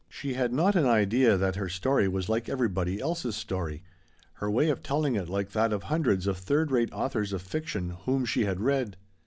She had not an idea that her story was like everybody else's story — her way of telling it like that of hundreds of third rate authors of fiction whom she had read.